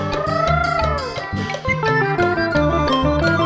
โชว์ฮีตะโครน